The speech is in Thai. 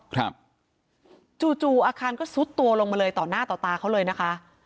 จู่จู่อาคารก็ซุดตัวลงมาเลยต่อหน้าต่อตาเขาเลยนะคะ